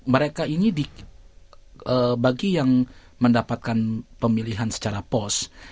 mereka ini bagi yang mendapatkan pemilihan secara pos